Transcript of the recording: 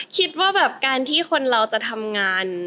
คิดว่าแบบการที่คนเราจะทำงาน